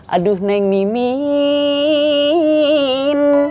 aduh neng mimin